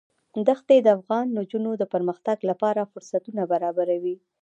ښتې د افغان نجونو د پرمختګ لپاره فرصتونه برابروي.